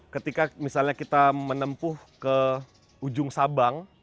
ketika misalnya kita menempuh ke ujung sabang